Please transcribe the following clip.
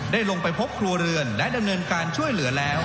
ได้ลงไปพบครัวเรือนและดำเนินการช่วยเหลือแล้ว